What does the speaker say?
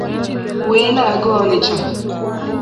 wee na-aga Ọnịtsha